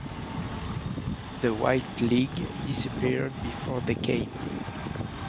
The White League disappeared before they came.